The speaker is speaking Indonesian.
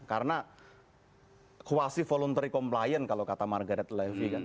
karena quasi voluntary compliance kalau kata margaret levy kan